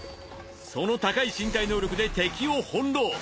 その高い身体能力で敵を翻弄。